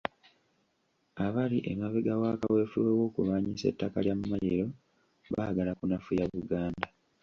Abali emabega wa kaweefube w'okulwanyisa ettaka lya mmayiro baagala kunafuya Buganda.